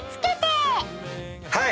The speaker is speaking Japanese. はい！